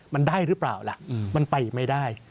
มันได้หรือเปล่าล่ะมันไปไม่ได้